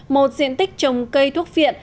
một diện tích trồng cây thuốc viện